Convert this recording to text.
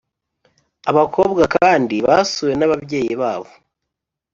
Abakobwa kandi basuwe n’ababyeyi babo